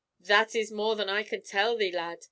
"That is more than I can tell thee, lad.